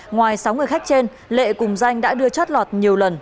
ngoài sáu người khách trên lệ cùng danh đã đưa chót lọt nhiều lần